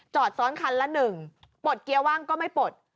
จอดซ้อนคันละหนึ่งปลดเกียร์ว่างก็ไม่ปลด